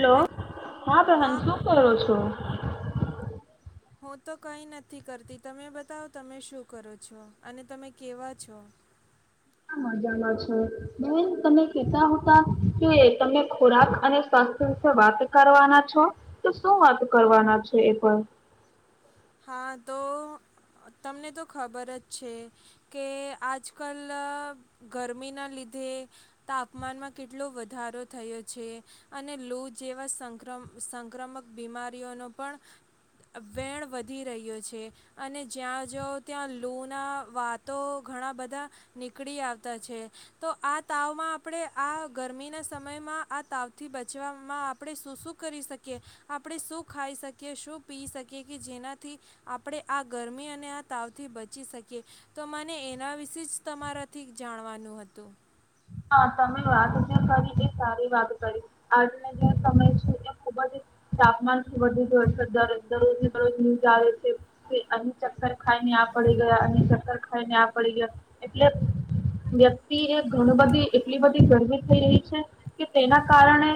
Hello, હેલ હા બહેન શું કરો છો હું તો કઈ નથી કરતી તમે બતાવો તમે શું કરો છો, અને તમે કેવા છો મજામાં છેન તમે કતા હતા કે એ તમે ખોરાક અને સ્વાસ્થ્ય વિશે વાત કરવાના છો, તો શું વાત કરવાના છો એ પણ હા, તો તમને તો ખબર જ છે કે આજ કલ ગરમીના લીધે તાપમાનમાં કેટલો વધારો થયો છે અને લૂ જેવા સંક્રમ સંક્રમક બીમારીઓનો પણ વેણ વધ. વધી રહ્યો છે, અને જ્યાં જ ત્યાં લૂના વાતો ઘણા બધા નીકળી આવતા છે, તો આ તાવમાં આપણે આ ગરમીના સમયમાં આ તાવથી બચવામાં આપણે શું શું કરી શકીએ આપણે શું ખાઈ શકીએ શું પી શકીએ કે જેના થી આપણે આ ગરમી અને આ તાવથી બચી શકીએ તો મને એના વિશે જ તમારાથી જાણવાનું હતું હા, તમે વાત કરી એ સારી વાત કરી આજના જે સમય છે એ ખુબ જ તાપમાનથી વધુ જય છે દરરોજને દરરોજ જ આવે છે કે અ ચક્કર ખાઈને આ પડી ગયા અ ચક્કર ખાઈને આ પડી ગયા એટલે વ્યક્તિ એ ઘણું બધું એટલી બધી ગરમી થઈ રહી છે કે તેના કારણે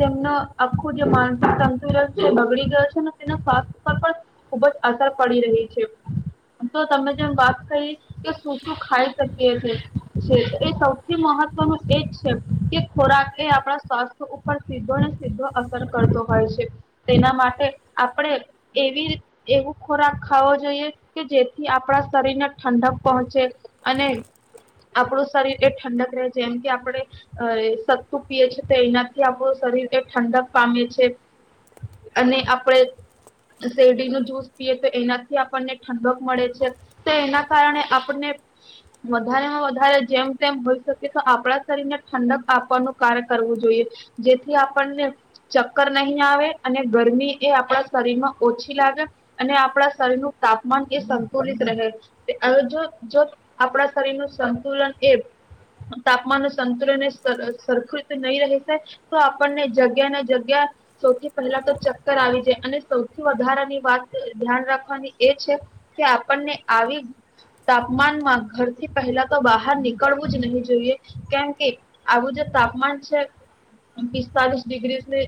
તેમનું આખું જે માનસિક સંતુલન છે બગડી ગયો છે ને તેના સ્વાસ્થ્ય પર પણ ખુબ જ અસર પડી રહી છે તો તમે જેમ વાત કરી કે શું શું ખાઈ શકી છે એ સૌથી મહવ કે ખોરાક એ આપણા સ્વાસ્થ્ય ઉપર સીધો ને સીધો અસર કરતો હોય છે, તેના માટે આપણે એવી એવું ખોરાક ખાવો જોઈએ કે જેથી આપણા શરીરને ઠંડક પહોંચે અને આપણું શરીર એ ઠંડક રહે જેમ કે આપણે અ સત્તુ પીએ તો એનાથી આપણું શરીર એ ઠંડક પામે છે અને આપણે શેરડી ન જૂસ પીએ તો એનાથી આપણને ઠંડક મળે છે તો એના કારણે આપણને વધારેમાં વધારે જેમ તેમ હોય શકે આપણા શરીરને ઠંડક આપવાનું કાર્ય કરવું જોઈએ જેથી આપણને ચક્કર નહીં આવે અને ગરમી એ આપણા શરીરમાં ઓછી લાગે અને આપણા શરીરનું તાપમાન એ સંતુલિત રહે આપણા શરીર નું સંતુલન એ તાપમાન સંતુને સરખૃત નહી રહેશે તો આપણને જગ્યા ને જગ્યા સૌથી પહેલા તો ચક્કર આવી જાય અને સૌથી વધારાની વાત ધ્યાન રાખવાની એ છે કે આપણને આવી તાપમાનમાં ઘરથી પહેલા તો બહાર નીકળવું જ નહી જોઈએ કેમ આવું જે તાપમાન છે પિસ્તાલીસ ડિગ્રી,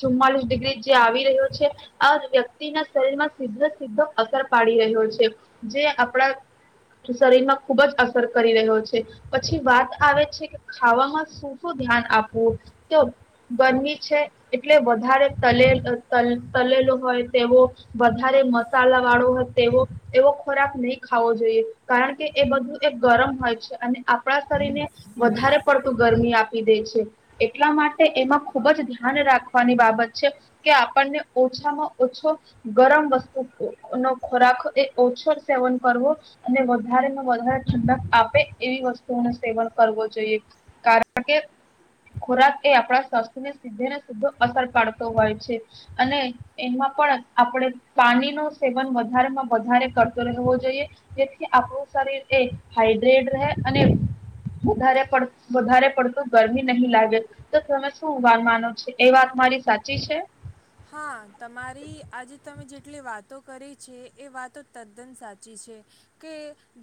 ચુમ્માલીસ ડિગ્રી જે આવી રહ્યો છે આ વ્યક્તિ ના શરીર માં સીધો સીધો અસર પાડી રહ્યો છે જે આપડા શરીરમાં ખુબ જ અસર કરી રહ્યો છે પછી વાત આવે છે કે ખાવામાં શું શું ધ્યાન આપવું તો ગરમી છે એટલે વધારે ત તલેલો હોય તેવો વધારે મસાલા વાળો હોય તેવો એવો ખોરાક નહી ખાવો જોઈએ કારણ કે એ બધું એક ગરમ હોય છે અને આપડા શરીરને વધારે પડતું ગરમી આપી દે છે એટલા માટે એમાં ખુબ જ ધ્યાન રાખવાની બાબત છે કે આપણને ઓછામાં ઓછો ગરમ વસ્તુ નો ખોરાક એ ઓછો સેવન કરવો અને વધારેમાં વધારે ઠંડક આપે એવી વસ્તુ સેવન કરવું જોઈએ કારણ કે ખોરાક એ આપણા શસ્ને સીધે ને સીધો અસર પાડતો હોય છે અને એમાં પણ આપણે પાણી નુ સેવન વધારેમાં વધારે કરતો રહેવો જોઈએ જેથી આપણું શરીર એ હાઈડ્રેટ રહે અને વધ વધારે પડતું ગરમી નહીં લાગે તો તમે શું વાન માનો છે એ વાત મારી સાચી છે? હા તમારી આજે તમે જેટલી વાતો કરી છે એ વાતો તદ્દન સાચી છે કે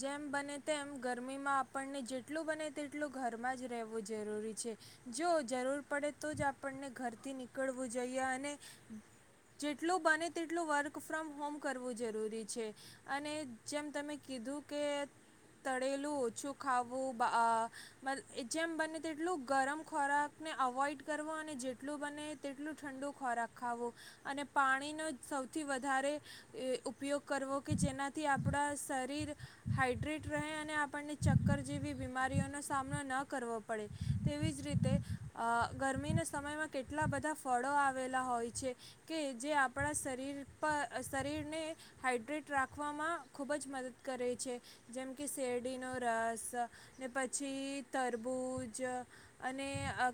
જેમ બને તેમ ગરમીમાં આપણને જેટલું બને તેટલું ઘરમાં જ રહેવું જરૂરી છે જો જરૂર પડે તો જ આપણને ઘરથી નીકળવું જોઈએ અને જેટલું બને તેટલું વર્ક ફ્રોમ હોમ કરવું જરૂરી છે અને જેમ તમે કીધું કે તળેલું ઓછું ખાવું જેમ બને તેટલું ગરમ ખોરાકને અવોઇડ કરવો અને જેટલું બને તેટલું ઠંડુ ખોરાક ખાવો અને પાણીનો સૌથી વધારે ઉપયોગ કરવો કે જેનાથી આપણા શરીર હાાઈડ્રેટ રહે અને આપણને ચક્કર જેવી બીમારીઓનો સામનો ન કરવો પડે તેવી જ રીતે ગરમીના સમયમાં કેટલા બધા ફળો આવેલા હોય છે છે, કે જે આપણા શરીર પર શરીરને, હાઈડ્રેટ રાખવામાં ખૂબ જ મદદ કરે છે, જેમ કે શેરડીનો રસ, ને પછી તરબૂજ અને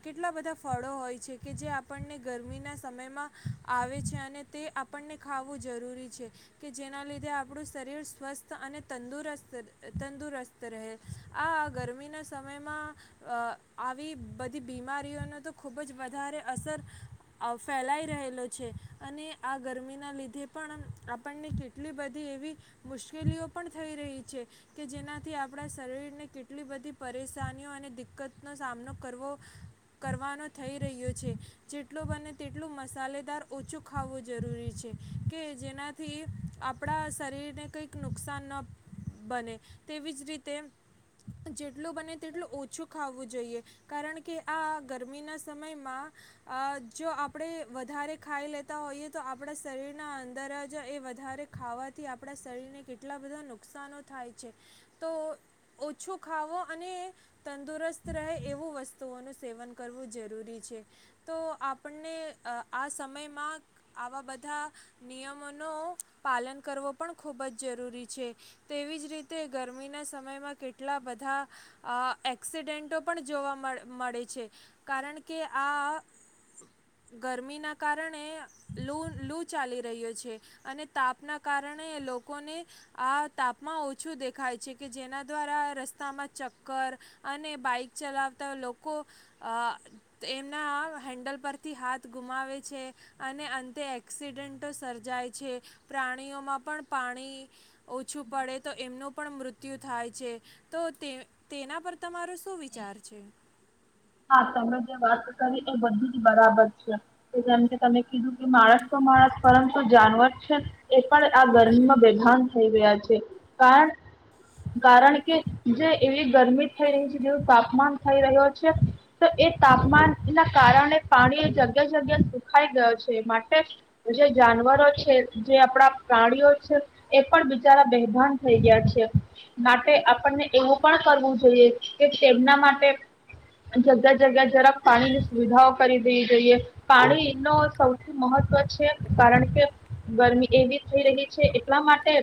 કેટલા બધા ફળો હોય છે કે જે આપણને ગરમીના સમયમાં. આવે છે અને તે આપણને ખાવું જરૂરી છે, કે જેના લીધે આપણું શરીર સ્વસ્થ અને તંદુરસ્ત તંદુરસ્ત રહે, આ ગરમીના સમયમાં આવી બધી બીમારીઓને તો ખુબ જ વધારે અસર ફેલાઈ રહે. અને આ ગરમીના લીધે પણ આપણને કેટલી બધી એવી, મુશ્કેલીઓ પણ થઈ રહી છે કે જેનાથી આપણા શરીરને કેટલી બધી પરેશાનીઓ અને દિકકતનો સામનો કરવો, કરવાનો થઈ રહ્યો છે, જેટલો બને તેટલોું મસાલે ઓછું ખવું જરૂરી છે, કે જેનાથી આપણા શરીરને કંઈક નુકસાન ન બને, તેવી જ રીતે જેટલું બને તેટલું ઓછું ખાવું જોઈએ, કારણ કે આ ગરમીના સમયમાં, જો આપણે વધારે ખાઈ લેતા હોઈએ તો આપણા શરીરના અંદર જ એ વધારે ખાવાથી આપણા શરીરને કેટલા બધા નુકસાનો થાય છે, તો ઓછું ખાવો અને તંદુરસ્ત રહે એવું વસ્તુઓનું સેવન કરવું જરૂરી છે, તો આપણને આ સમય સમયમાં આવા બધા, નિયમોનું પાલન કરવો પણ ખૂબ જ જરૂરી છે, તેવી જ રીતે ગરમીના સમયમાં કેટલા બધા એક્સિડેન્ટો પણ જોવા મળે છે, કારણ કે આ ગરમીના કારણે લ લૂ ચાલી રહ્યો છે, અને તાપના કારણે લોકોને આ તાપમાં ઓછું દેખાય છે, કે જેના દ્વારા રસ્તામાં ચક્કર, અને બાઈક ચલાવતા લોકો, એમના હેન્ડલ પરથી હાથ ગુમાવે છે, અને અંતે એક્સિડેન્ટો સર્જાય છે, પ્રાણીઓમાં પણ પાણી ઓછું પડે તો એમનું પણ મૃત્યુ મૃત્યુ થાય છે, તો તે તેના પર તમારો શું વિચાર છે? હા તમે જે વાત કરી એ બધું જ બરાબર છે, કે જેમ કે તમે કીધું કે માણસ તો માણસ પરંતુ જાનવર છે, એ પણ આ ગરમીમાં બેભાન થઈ ગયા છે, કારણ કારણ કે જે એવી ગરમી થઈ રહી છે જેવું તાપમાન થઈ રહ્યું છે. તો એ તાપમાન ના કારણે પાણી જગ્યા જગ્યા સુખાઈ ગયો છે, માટે જે જાનવરો છે જે આપણા પ્રાણીઓ છે, એ પણ બિચારા બેભાન થઈ ગયા છે, માટે આપણને એવું પણ કરવું જોઈએ, કે તેમના માટે જગ્યા જગ્યા જરાક પાણીની સુવિધાઓ કરી દેવી જોઈએ, પાણી ન સૌથી મહત્વ છે, કારણ કે ગરમી એવી થઈ રહી છે એટલા માટે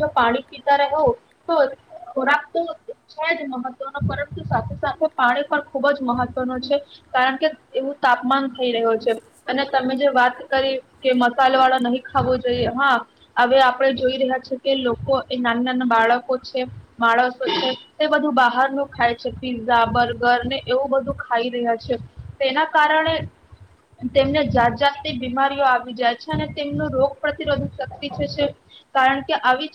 જો પાણી પીતા રહો તો ખોરાક તો છે જ મહત્વનો પરંતુ સાથે સાથે પાણી પર ખુબ જ મહત્વ ન છે, કારણ કે એવું તાપમાન થઈ રહ્યો છે, અને તમે જે વાત કરી કે મસાલ વાળો નહીં ખાવો જોઈએ હા, હવે આપણે જોઈ રહ્યા છેએ કે લોકો એ નાના નાના બાળકો છે, માણસો છે, તે બધું બહાર ન ખાય છે પીઝઝા બર્ગર ને એવું બધું ખાઈ રહ્યા છે, તેના કારણે તેમને જાત જાતની બીમારીઓ આવી જાય છે, અને તેમનું રોગ પ્રતિરોધક શક્તિ છે છે, કારણ કે આવી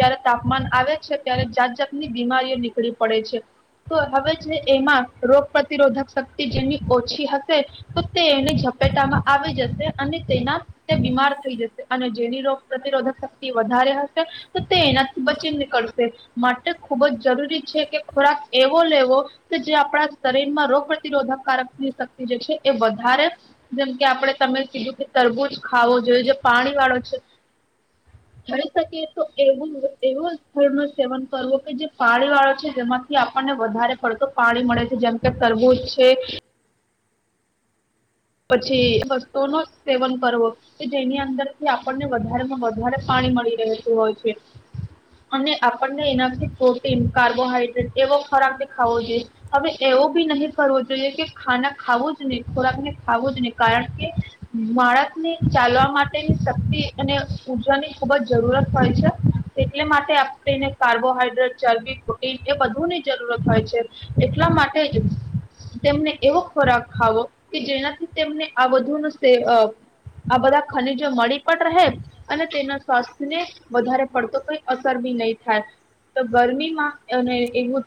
જારે તાપમાન આવે છે, ત્યારે જાત જાતની બીમારીઓ નીકળી પડે છે તો હવે જે એમાં રોગ પ્રતિરોધક શક્તિ જેની ઓછી હશે, તો તે એની ઝપેટામાં આવી જશે અને તેના બીમાર થઈ જશે અને જેની રોગ પ્રતિરોધક શક્તિ વધારે હશે, તો તે એનાથી બચી નીકળશે, માટે ખુબ જ જરૂરી છે કે ખોરાક એવો લેવો જે આપણા શરીરમાં રોગ પ્રતિરોધકકારકની શક્તિ જે છે એ વધારે, જેમ કે આપણે તમે કીધું કે તરબૂજ ખાવો જોઈએ જે પાણી વાળો છે, થઈ શકીએ તો એવું એવું સ્થળ નું સેવન કરવું કે જે પાણી વાળો છે જેમાંથી આપણને વધારે પડતો પાણી મળે છે જેમ કે તરબૂજ છે. પછી વસ્તુ ન સેવન કરવો, કે જેની અંદરથી આપણને વધારે માં વધારે પાણી મળી રહેતું હોય છે, અને આપણને એનાથી પ્રોટીન કાર્બોહાઈડ્રેટ એવો ખોરાક ને ખાવો જોઈએ, હવે એવું બી નહીં કરવો જોઈએ કે ખાના ખાવું જ નને ખોરાક ને ખાવું જ નહી કારણ કે, માળકને ચાલવા માટેની શક્તિ અને ઉર્જાની ખુબ જ જરૂરત હોય છે, એટલે માટે આપણેને કાર્બોહાઈડ્રેટ ચરબી પ્રોટીન એ બધુની જરૂરત હોય છે, એટલા માટે જ તેમને એવો ખોરાક ખાવો કે જેના ને આ બુ આ બધા ખનીજો મળી પણ રહે અને તેના સ્વાસ્થ્યને વધારે પડતો કઈ અસર બી નહી થાય, તો ગરમીમાં અને એવું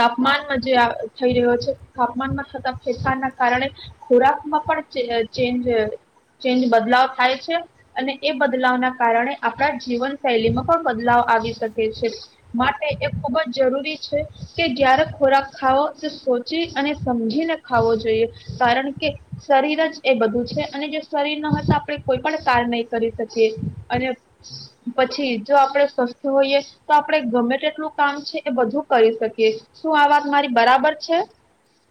તાપમાનમાં જે થઈ રહ્યો છે, તાપમાનમાં થતા ફેફારના કારણે ખોરાકમાં પણ ચેન્જ ચેન્જ બદલાવ થાય છે, અને એ બદલાવના કારણે આપણા જીવન શૈલીમાં પણ બદલાવ આવી શકે છે, માટે એ ખૂબ જ જરૂરી છે, કે જ્યારે ખોરાક ખાવો તે સોચી અને સમજીને ખાવો જોઈએ, કારણ કે શરીર જ એ બધું છે અને જો શરીર ના હોય તો આપણે કોઈ પણ કાર નહી કરી શકીએ, અને પછી જો આપણે સ્વસ્થ હોઈએ, તો આપણે ગમે તેટલું કામ છે એ બધું કરી શકીએ શું આ વાત મારી બરાબર છે?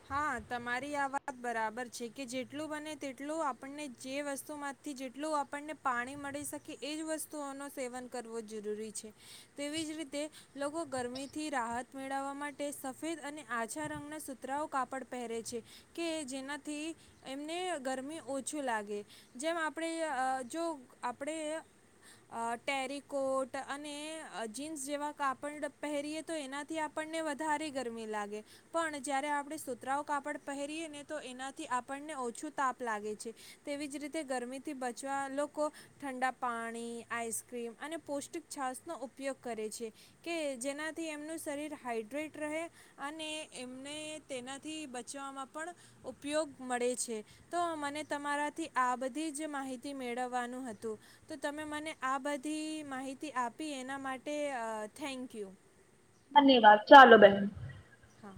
હા તમારી આ વાત બરાબર છે કે જેટલું બને તેટલું આપણને જે વસ્તુમાંથી જેટલું આપણને પાણી મળી શકે એજ વસ્તુઓ ન સેવન કરવું જરૂરી છે, તેવી જ રીતે લોકો ગરમીથી રાહત મેળવવા માટે સફેદ અને આછા રંગના કતરાઓ કાપડ પહેરે છે, કે જેનાથી એમને ગરમી ઓછું લાગે, જેમ આપણે જો આપણે ટેરીકોટ અને જીન્સ જેવા કાપડ પહેરીએ તો એનાથી આપણને વધારે ગરમી લાગે, પણ જ્યારે આપણે સુતરાઉ કાપડ પહેરીએ ને તો એનાથી આપણને ઓછું તાપ લાગે છે, તેવી જ રીતે ગરમીથી બચવા લોકો, ઠંડા પાણી આઇસક્રીમ અને પૌષ્ટિક છાશનો ઉપયોગ કરે છે, કે જેનાથી એમનું શરીર હાાઈડ્રેટ રહે, અને એમ ને તેનાથી બચવામાં પણ, ઉપયોગ મળે છે, તો મને તમારાથી આ બધી જ માહિતી મેળવવાનું હતું, તો તમે મને આ બધી માહિતી આપી એના માટે થેન્કયુ. ધન્યવાદ ચાલો બહેન. હા.